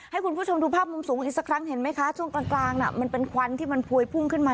ให้คุณผู้ชมดูภาพมุมสูงอีกสักครั้งเห็นไหมคะช่วงกลางน่ะมันเป็นควันที่มันพวยพุ่งขึ้นมา